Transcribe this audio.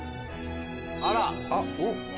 あら。